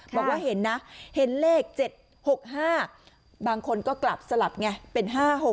บอกว่าเห็นนะเห็นเลข๗๖๕บางคนก็กลับสลับไงเป็น๕๖๖